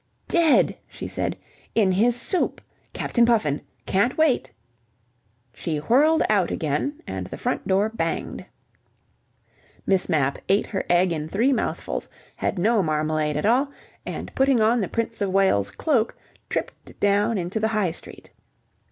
"Dead!" she said. "In his soup. Captain Puffin. Can't wait!" She whirled out again and the front door banged. Miss Mapp ate her egg in three mouthfuls, had no marmalade at all, and putting on the Prince of Wales's cloak, tripped down into the High Street.